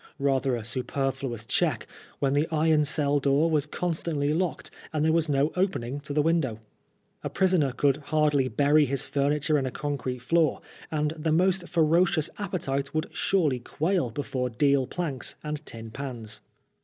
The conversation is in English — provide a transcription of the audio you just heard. Rather a saperfluons check, when the iron cell door was constantly locked and there was no open ing to the window I A prisoner could hardly bury his furniture in a concrete floor, and the most ferocious appetite would surely quail before deal planks and tin pans.